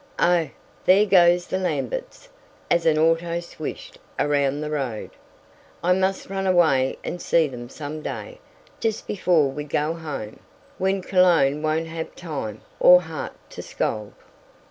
"Oh, there go the Lamberts!" as an auto swished around the road. "I must run away and see them some day just before we go home, when Cologne won't have time, or heart, to scold."